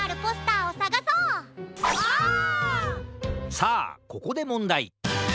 さあここでもんだい。